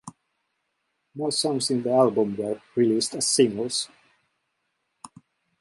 No songs in the album were released as singles.